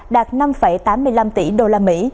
đạt năm tám mươi năm tỷ đô la mỹ